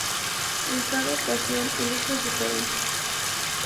En cada estación el uso es diferente.